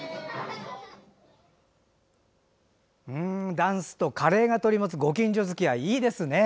ダンスとカレーが取り持つご近所づきあい